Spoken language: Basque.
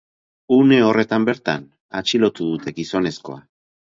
Une horretan bertan atxilotu dute gizonezkoa.